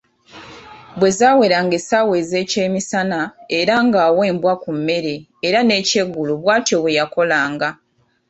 Bwe zaaweranga essaawa ez'ekyemisana era ng'awa embwa ku mmere era n'ekyeggulo bw'atyo bweyakolanga.